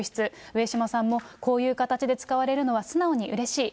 上島さんも、こういう形で使われるのは、素直にうれしい。